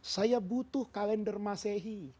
saya butuh kalender masehi